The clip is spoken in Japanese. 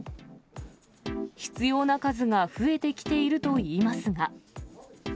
必要な数が増えてきているといいますが。